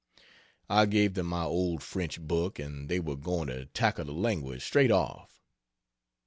I gave them my old French book and they were going to tackle the language, straight off.